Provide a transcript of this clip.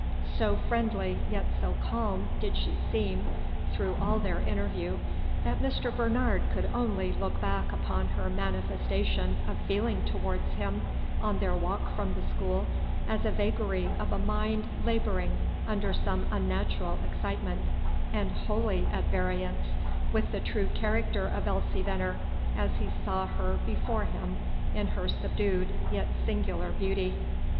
So friendly, yet so calm did she seem through all their interview, that Mr. Bernard could only look back upon her manifestation of feeling towards him on their walk from the school as a vagary of a mind laboring under some unnatural excitement, and wholly at variance with the true character of Elsie Venner as he saw her before him in her subdued, yet singular beauty.